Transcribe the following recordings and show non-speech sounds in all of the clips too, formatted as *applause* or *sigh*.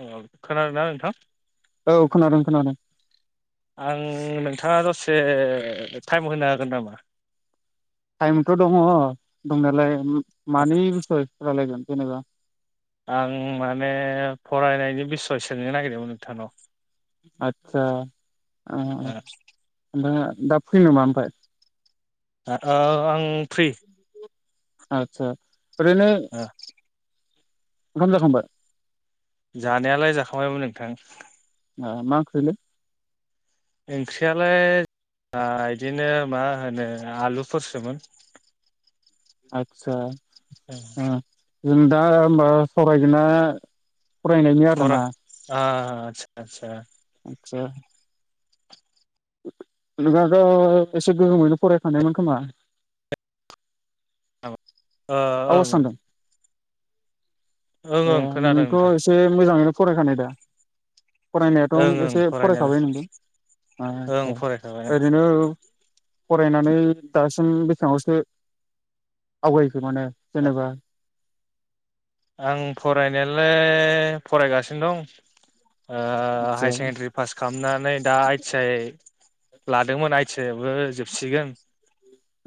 औ खोनादों ना नोंथां? औ खोनादों खोनादों आं नोंथाङा दसे *inaudible* ए टाइम होनो हागोन नामा? टाइमथ' दङ दंनायालाय। मानि *inaudible* रालायगोन? जेनेबा आं माने फरायनायनि बिसय सोंनो नागिरदोंमोन नोंथांनाव। आतसा। अ अ ओ नोंथाङा *unintelligible* दा फैनो नामा ओमफ्राय। आं फ्रि। आतसा। ओरैनो ओंखाम जाखांबाय? जानायालाय जाखांबायमोन नोंथां। मा ओंख्रै? ओंख्रियालाय ओ बिदिनो मा होनो आलुफोरसोमोन। आतसा। औ *inaudible* जों दा ओमबा सरायगोना फरा आसा आसा। आसा। नोंआथ' एसे गोहोमैनो फरायखानायमोन खोमा? अ आवाज औ। सानदों ए खोनादों नोंथ' नोंथां एसे मोजाङैनो फरायखानाय दा? ओं फरायनायाथ' ओं एसे फरायखाबाय फरायनायालाय ओं *unintelligible* फरायखाबाय ओरैनो फरायनानै दासिम बेसाङावसो आवगाय खो माने जेनेबा आं फरायनायालाय फरायगासिनो दं आदसा हायार सेकेणडारि पास खालामनानै दा आइटि आइ लादोंमोन आइ सानसेबो जोबसिगोन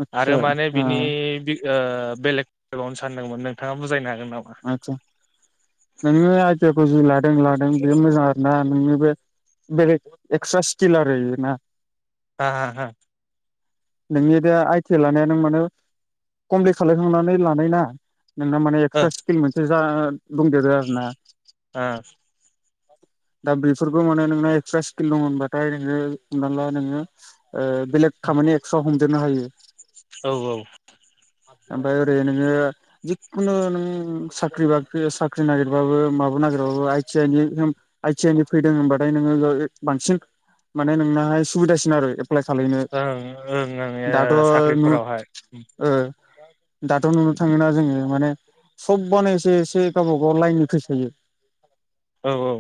आदसा आरो माने ओ बिनि बेलेग *unintelligible* सानदोंमोन नोंथाङा बुजायनो हागोन नामा? आदसा नोंङो आइदियाखौ जि लादों लादों बेयो मोजां आर ना नोंनि बे बेलेग एक्सट्रा स्किल आरो बेयो ना। आ आ आ नोंनि दा आइटि आइ लानाया नों माने कमप्लिट खाायखांनानै लानाय ना? नोंना माने एक्ट्रा जा दंदेरो आरो ना। हा दा बेफोरखौ माने नोंना एक्सट्रा स्किल दं होनबाथाय नोङो हमना ला नोङो बेलेग खामानि एक्स'आव हमदेरनो हायो। *inaudible* औ औ ओमफ्राय ओरै नोङो जिखुनु नों साख्रि बाख्रि साख्रि नागिरबाबो माबा नागिरबाबो आइटि आइ नि आइ टि आइ नि फैदों होनबाथाय नोङो बांसिन माने नोंनाहाय सुबिदासिन आरो। एप्लाइ खालायनो ओं ओं ओं दाथ' अ नु साख्रिफोरावहाय ओ दाथ' नुनो थाङोना जोङो माने सबबानो एसे एसे गावबा गाव लाइननि फैसोयो। औ औ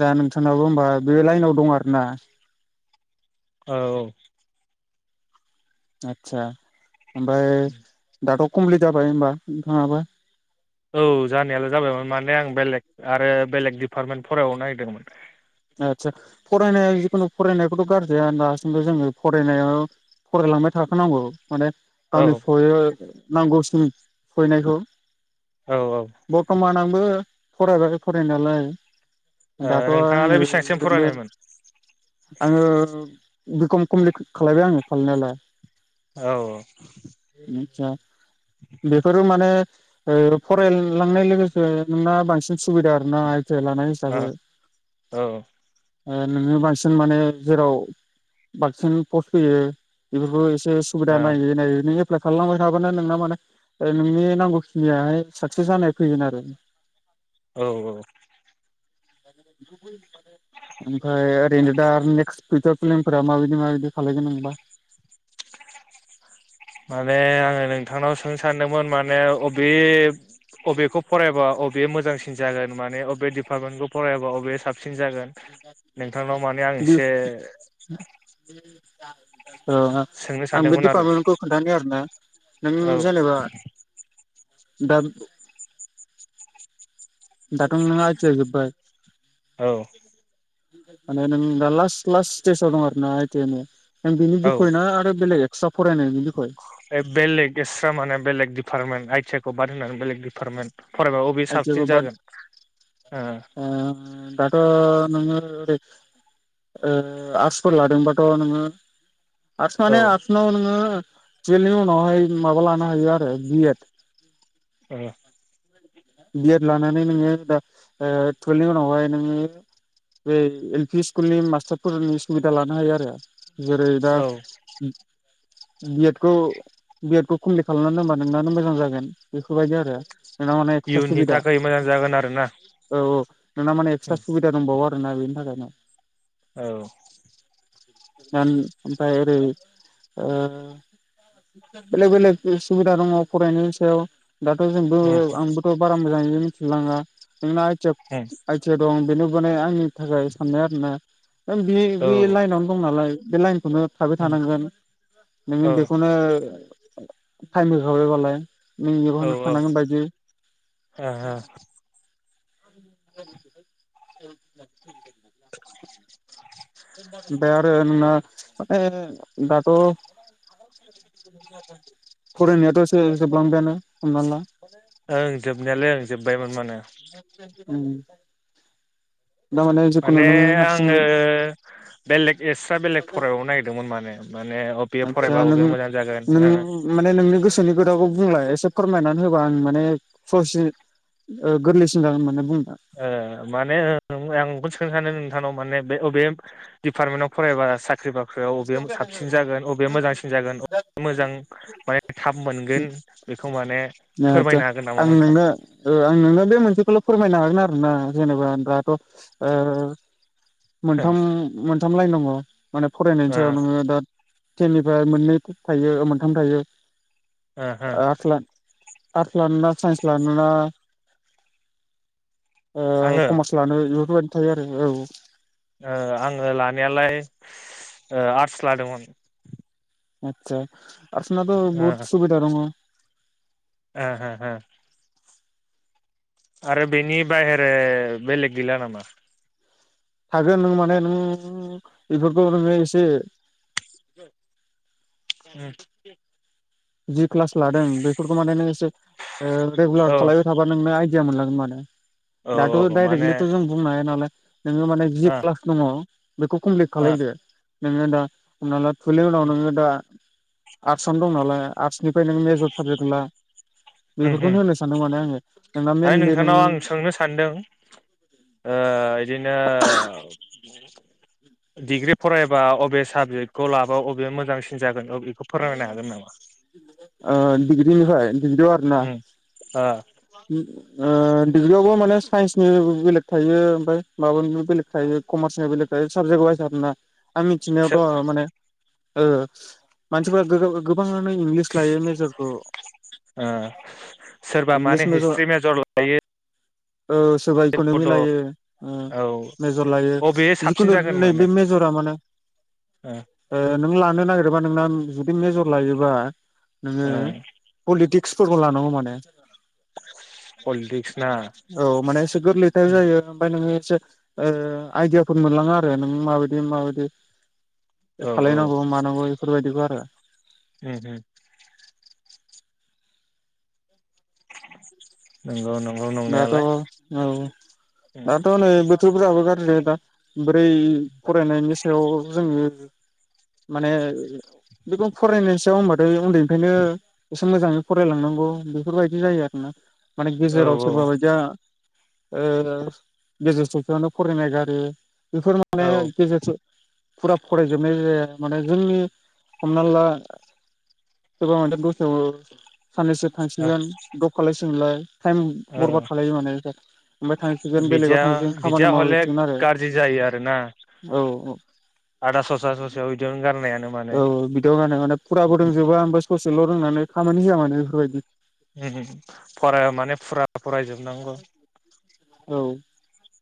दा नोंथांनाबो होमबा बे लाइनाव दं आरो ना? औ आतसा ओमफ्राय दाथ' कमप्लिट जाबाय होमबा नोंथाङाबो? औ जानायालाय जाबायमोन माने आं बेलेग आरो बेलेग डिपार्टमेन्ट फरायबानो नागिरदोंमोन। आदसा फरायनाया जिखुनु फरायनायखौथ' गारजाया दासिमबो जोङो फरायनायाव फरायलांबाय थाखानांगौ। माने औ गावनि *unintelligible* नांगौसिन फरायनायखौ औ ओ बर्तमान आं बो फरायबाय फरायनायालाय। दाथ' नोंथाङालाय बेसेबांसिम *unintelligible* फरायनायमोन? आङो बिकम कमलि खालायबाय आङो खालायनायालाय औ *unintelligible* बेफोरो माने ओ फरायलांनाय लोगोसे नोंना बांसिन सुबिदा आरो ना लानाय हिसाबै औ नोङो बांसिन माने जेराव बांसिन पस्ट फैयो बेफोरखौ एसे सुबिदा औ नायै नायै नोङो एप्लाइ खालायलांबाय थाबानो नोंना माने ओ नोंनि नांगौखिनियाहाय साकसेस जानाय फैगोन आरो। औ औ। *inaudible* *inaudible* ओमफाय ओरैनो दा आर नेक्स टुइटार फिलिमफोरा माबायदि माबायदि खालायगोन नोंबा? माने आङो नोंथांनाव सोंनो सानदोंमोन माने अबे अबेखौ फरायबा अब बे मोजांसिन जागोन माने अबे डिपार्टमेन्टखौ फरायबा अबे साब सिन जागोन नोंथांनाव माने आं बिदि एसे *unintelligible* औ सोंनो *unintelligible* आं बे सानदोंमोन आरो डिपार्टमेन्टखौ खोन्थानि आरोना नों औ जेनेबा दाम दाथ' नों आइ थि आइ जोबबाय। औ *inaudible* माने नों दा लास्ट लास्ट स्टेस'नाव आरोना आइ टि आइ नि? नों बिनि औ बिखय ना आरो बेलेग एक्सट्रा फरायनायनि बिखय ए बेलेग एस्ट्रा माने बेलेग डिभार्टमेन्ट आइ थि खौ बाद होनानै बेलेग डिपार्टमेन्ट फरायबा अबे आइ थि साबसिन आइखौ बाद जागोन ओ दाथ' नोङो ओ आर्टसफोर लादोंबाथ' नोङो आर्टस ओ माने आर्टसनाव नोङो टुवेलनि उनावहाय माबा लानो हायो आरो बि एड। औ बि एड लानानै नोङो दा ओ टुवेलनि उनावहाय नोङो बे एल पि स्कुलनि मास्टारफोरनि सुबिदा लानो हायो आरो। जेरै दा औ बि एड खौ बि एड खौ कमप्लिट खालामनानै दोनबा नोंनानो मोजां जागोन बेफोरबायदि आरो। नोंना माने एक्सट्रा इयुननि सुबिदा थाखाय मोजां जागोन आरोना। औ औ नोंना माने एक्सट्रा सुबिदा दंबावो आरोना बेनि थाखायनो? औ ओम ओमफाय ओरै ओ बेलेग बेलेक सुबिदा दङ फरायनायनि सायाव। दाथ' जोंबो आंबोथ' बारा मोजांङै लाङा नोंना आइ टिआव आइ थि दं बेनो *unintelligible* आंनि थाखाय साननाय आरोना ओं बे बे लाइनावनो दं नालाय। बेलाइन खौनो थाबाय थानांगोन नोङो औ बेखौनो टाइम होखाबय बालाय नौं बखोनो थानांगोन बायदि। ओ ओ *inaudible* *inaudible* बे आरो नोंना माने दाथ फरायनायाथ जोबलांबायानो हमना ला। ओं जोबनायालाय ओं जोबबायमोन मानो *unintelligible* दामाने जेखुनु माने नों हारसिं आङो बेलेग एक्सट्रा बेलेग फराबावनो नागिरदोंमोन माने माने अबि ए आदसा फरायबा नों अबे मोजां जागोन ओ सोनि खोथाखौ बुंलाय एसे फोरमायनानै होबा आं माने ससे ओ गोरलैसिन जागोन माने बुं। ओ माने आं बेखौनो सोंनो सानो नोंथांनाव माने बे अ बे डिपार्टमेन्टाव फरायबा साख्रिबा फ्रियाव औ बे साबसिन जागोन अबे मोजांसिन जागोन अबे मोजां माने थाब मोनगोन बेखौ माने ओ आदसा फोरमायनो हागोन नामा आं नोंथां नोंनो ओ आं नोंनो बे मोनसेखौल फोरमायनो हाग आरोना जेनेबा दाथ ओ मोनथाम मोन। *unintelligible* माने फरायनायनि ओ सायाव नोङो दा थेननिफ्राय मोननै थायो मोनथाम थायो। ओ हो। आर्टस ला आर्टस लानोना साइन्स लानोना ओ आङो कमार्स लानो इ फोरबादि थायो आरो औ। ओ आङो लानायालाय आर्टस लादोंमोन। आतसा। आर्टस नाथ' ओ बहुत सुबिदा दङ। ओ हो हो। आरो बेनि बाहेरे बेलेग गैला नामा? हागोन नों माने बेफोरखौ एसे उम। जिब क्लास लादों बेफोरखौ माने नों एसे ओ रेगुलार औ खालायबाय थाबा नोंनो आइ दिया मोनलांगोन माने। औ दाथ' औ माने ओ दायरेक्टलिथ' जों बुंनो हाया नालाय नोङो माने जि ओ उम क्लास दङ बेखौ कमप्लिट खालायदो। नोङो दा हमना ला नि उनाव नोङो दा आर्टस आवनो दं नालाय। आर्टसनि फ्राय नों मेजर साबजेक्टखौ ला। हुम बेफोरखौनो हुम। होनो सानदों माने आङो नोंना दायो मेनलि नों नोंथांनाव आं सोंनो सानदों ओ बिदिनो डिग्रि फरायबा अबे साबजेक्टखौ लाबा अबे मोजांसिन जागोन? बेखौ फोरमायनो हागोन नामा? ओ दिग्रिनिहाय? *unintelligible* आरो ना? उम ओ ओ डिग्रियावबो माने साइन्सनिबो बेलेग थायो ओमफ्राय माबानिबो बेलेग थायो कमार्सनि बेलेग थायो साबजेक्ट वाइस आरो ना। आं सो मिथिनायावथ' माने ओ मानसिफ्रा गोगा गो बाङानो इंलिस लायो मेजरखौ ओ सोरबा माने इंलिस मेजर हिस्ट्रि लायो ओ सोरबा इख'नमि बड' औ लायो ओ मेजर लायो‌। अबे साबसिन जिखुनु जागोन माने नैबे मेजरा माने ओ नों ला नो नागिरबा नोंना जुदि मेजर लायोबा नोङो ओ पलिटि फोरखौ लानांगौ माने। पलिटिक्स ना औ माने एसे गोरलैथाय जायो ओमफ्राय नोङो ओ आइदियाफोर मोनलाङो आरो नों माबायदि माबायदि औ औ खालायनांगौ मानांगौ बेफोरबायदिखौ आरो उम उम नोंगौ नों दाथ' औ औ दाथ' नै बोथोरफोराबो दा बोरै फरायनायनि सायाव जोङो माने बेखौ फरायनायनि सायाव होनबाथाय उन्दैनिफ्रायनो मोजाङै फरायलांनांगौ बेफोरबायदि जायो आरो ना माने औ गेजेराव सोरबा बायदिया ओ गेजेर ससेयावनो फरायनाय गारो बेफोर माने ओ गेजेर फुरा फरायजोबनाय जाया माने जोंनि हमना ला गोबां आनो दस्रा *inaudible* *unintelligible* औ थांसिगोन बेलेगाव बिदिया थांसिगोन खामानि बिदिया हले मावहैसिगोन आरो गाज्रि जायो आरोना औ आदा ससा ससेयाव बिदियावनो गारनायानो मान औ बि ससेल' रोंनानै खामानि होआ मानो बेफोरबायदि उमहो फराय माने औ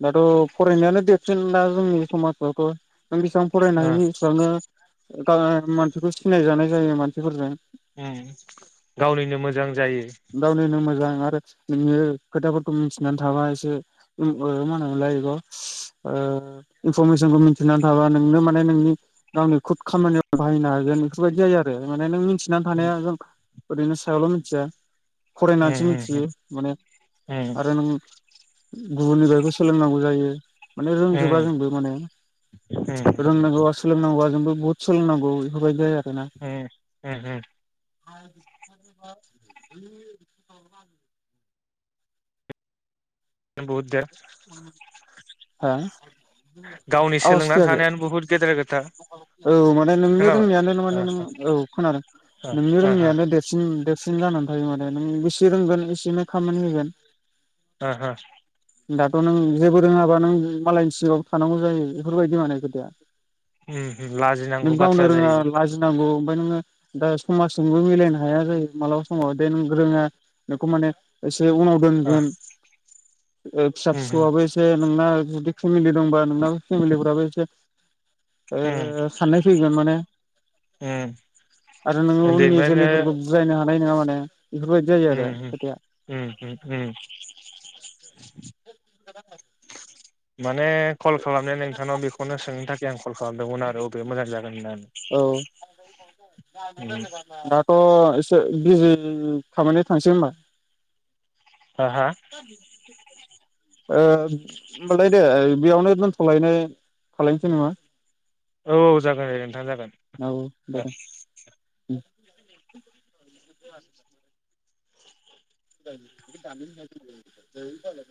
दाथ' फरायनायानो देरसिन दा जोंनि समाजावथ' नों बेसेबां बेसेबां फरायनाय गा मानसिखौ सिनाय जानाय जायो मानसिफोरजों उम गावनिनो मोजां जायो। गावनिनो मोजां नोङो खोथाफोरखौ मिथिनानै थाबाय जे ओ मा होनोमोनलाय बेखौ ओ इनफरमेशनखौ मिथिना थाबा नोंनो माने नोंनि गावनि खुथ खामानिआव बाहायनो हागोन बेफोरबायदि जायो आरो माने नों मिथ थिनानै थानाया जों ओरैनो सायावल' मिथिया फरायनानैसो मिथियो माने आरो नों गुबुननि बाइकखौ सोलोंनांगौ जायो। माने रोंजोबा जोंबो माने रोंनांगौबा सोलोंनांगौबा जोंबो बहुत सोलोंनांगौ बेफोरबायदि आरो होम हो-हो *unintelligible* *unintelligible* हो गावनि आवाज सोलोंनानै फैयाखै थानायानो बुहुद गेदेर खोथा औ माने नोंनि खोनाबाय रोंनायानो माने नों औ खोनादों नोंनि रोंनायानो देरसिन-देरसिन जानानै थायो माने नों बेसे रोंगोन एसेनो खामानि होगोन । हो-हो दाथ' नों जेबो रोङाबा नों मालायनि सिगाङाव थानांगौ जायो बेफोरबायदि माने खोथाया । नों लाजिनांगौ गावनो बाथ्रा रोङा जायो लाजिनांगौ नोङो दा समाजजोंबो मिलायनो हाया जायो मालाबा समाव दे नों रोङा नोंखौ माने उनाव दोनगोन ओ फिसा फिसौआबो एसे नोंना जुदि। *inaudible* रोंबा नोंनाबो फेमिलिफोराबो एसे। ओ साननाय फैगोन माने आरो नोङो उननि जोलैफोरखौ बुजायनो हानाय नङा माने। *inaudible* आरो ओम खोथाया ओम ओम *inaudible* माने कल खालामनाया नोंथांनाव बेखौनो सोंनो थाखाय आं। कल खालामदोंमोन आरो बबे मोजां जागोन होननानै औ *inaudible* दाथ आं एसे बिजि खाबनानै थांसै होमबा हा हा औ *inaudible* ओं होमबालाय दे बेयावनो दोनथलायनाय खालामायनोसै नामा। औ औ जागोन दे नोंथां जागोन औ दे दे *inaudible* *inaudible*